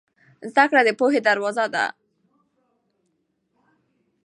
زده کړه د پوهې دروازه ده.